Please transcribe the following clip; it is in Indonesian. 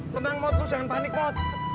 tenang mod jangan panik mod